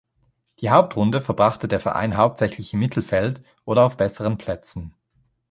Die Hauptrunde verbrachte der Verein hauptsächlich im Mittelfeld oder auf besseren Plätzen.